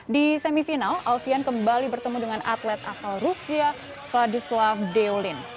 di semifinal alfian kembali bertemu dengan atlet asal rusia vladislav deolin